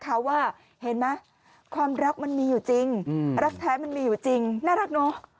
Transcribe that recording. เขาว่าเห็นไหมความรักมันมีอยู่จริงรักแท้มันมีอยู่จริงน่ารักเนอะ